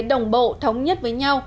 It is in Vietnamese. đồng bộ thống nhất với nhau